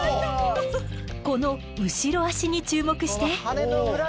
この後ろ足に注目して。